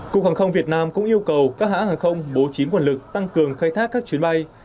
cục hàng không việt nam cũng yêu cầu các hãng hàng không bố trí nguồn lực tăng cường khai thác các chuyến bay